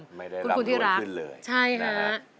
ไม่ได้รับรวยขึ้นเลยคุณคุณที่รักใช่ค่ะคุณคุณที่รัก